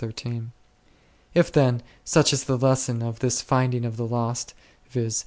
If, then, such is the lesson of this Finding of the lost, viz.